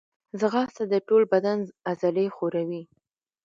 ځغاسته د ټول بدن عضلې ښوروي